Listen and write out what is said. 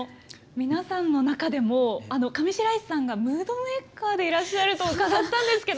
皆さんの中でも上白石さんがムードメーカーでいらっしゃると伺ったんですけど。